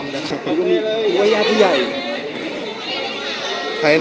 อันนั้นให้เป็นเรื่องของพี่ใหญ่เนาะ